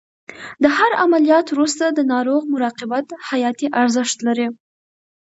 د هر عملیات وروسته د ناروغ مراقبت حیاتي ارزښت لري.